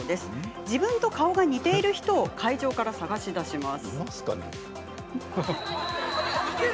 自分と顔が似ている人を会場から探し出します。